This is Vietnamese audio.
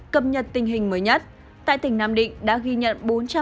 cập nhật tình hình mới nhất tại tỉnh nam định đã ghi nhận bốn trăm năm mươi hai